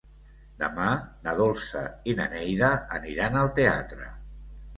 Demà na Dolça i na Neida aniran al teatre.